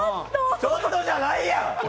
ちょっとやないやん。